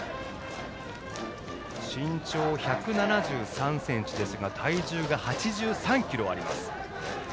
身長１７３ｃｍですが体重が８３ｋｇあります。